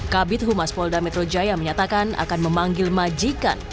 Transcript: kabit humas polda metro jaya menyatakan akan memanggil majikan